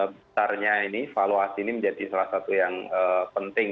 besarnya ini valuasi ini menjadi salah satu yang penting